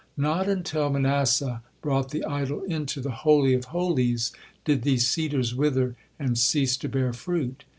Not until Manasseh brought the idol into the Holy of Holies, did these cedars wither and cease to bear fruit.